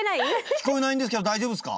聞こえないんですけど大丈夫ですか？